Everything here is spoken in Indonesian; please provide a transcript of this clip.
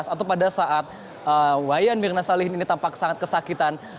atau pada saat wayan mirna salihin ini tampak sangat kesakitan